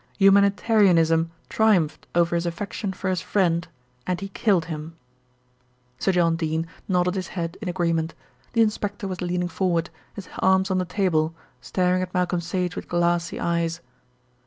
Humanitarianism triumphed over his affection for his friend, and he killed him." Sir John Dene nodded his head in agreement. The inspector was leaning forward, his arms on the table, staring at Malcolm Sage with glassy eyes.